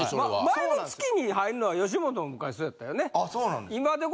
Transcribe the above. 前の月に入るのは吉本も昔そうやったよね。